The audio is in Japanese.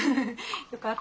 よかった。